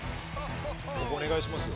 「ここお願いしますよ」